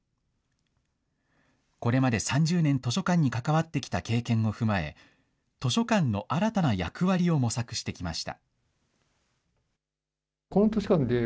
これまで３０年、図書館に関わってきた経験を踏まえ、図書館の新たな役割を模索してきました。